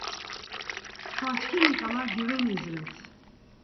Çkva çkimi ǩala gyuvenis ret.